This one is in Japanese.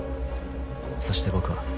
そして僕は。